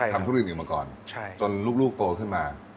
ทำวัตถุดิบอีกมาก่อนจนลูกโตขึ้นมา